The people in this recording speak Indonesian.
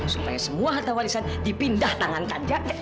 supaya semua harta warisan dipindah tangan kada